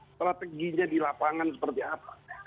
setelah terginya di lapangan seperti apa